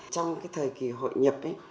trong thời kỳ hội nhập